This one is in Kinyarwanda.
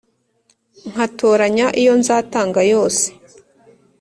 nkatoranya iyo nzatanga yose